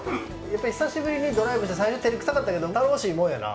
やっぱ久しぶりにドライブして最初照れくさかったけど楽しいもんやな。